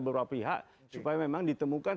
beberapa pihak supaya memang ditemukan